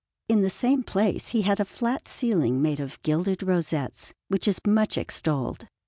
In the same place he had a flat ceiling made of gilded rosettes, which is much extolled.